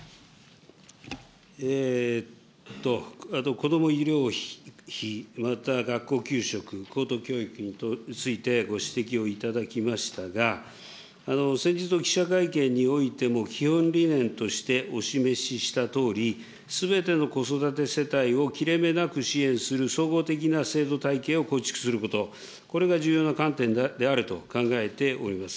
子ども医療費、また学校給食、高等教育についてご指摘をいただきましたが、先日の記者会見においても、基本理念としてお示ししたとおり、すべての子育て世帯を切れ目なく支援する総合的な制度体系を構築すること、これが重要な観点であると考えております。